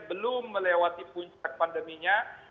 belum melewati puncak pandeminya